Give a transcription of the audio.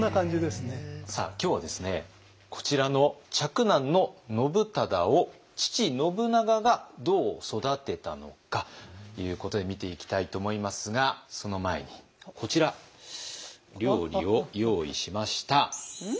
今日はですねこちらの嫡男の信忠を父信長がどう育てたのかということで見ていきたいと思いますがその前にこちら料理を用意しました。